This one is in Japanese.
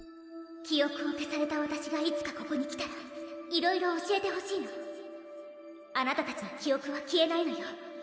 記憶を消されたわたしがいつかここに来たらいろいろ教えてほしいのあなたたちの記憶は消えないのよ